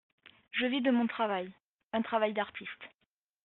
Je vis de mon travail, un travail d'artiste.